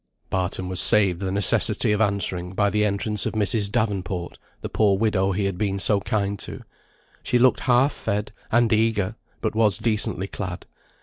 Barton was saved the necessity of answering, by the entrance of Mrs. Davenport, the poor widow he had been so kind to; she looked half fed, and eager, but was decently clad.